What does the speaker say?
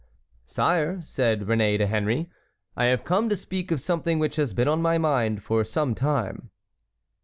"Sire," said Réné to Henry, "I have come to speak of something which has been on my mind for some time."